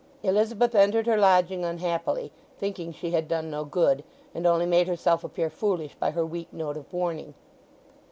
Elizabeth entered her lodging unhappily, thinking she had done no good, and only made herself appear foolish by her weak note of warning.